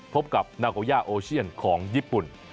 พบกับนาโกย่าโอเชียนของญี่ปุ่น